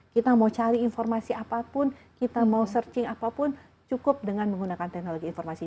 kita mau cari informasi apapun kita mau searching apapun cukup dengan menggunakan teknologi informasi